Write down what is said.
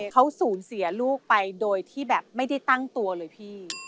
เขาสูญเสียลูกไปโดยที่แบบไม่ได้ตั้งตัวเลยพี่